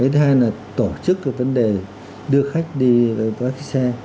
thế hay là tổ chức cái vấn đề đưa khách đi qua cái xe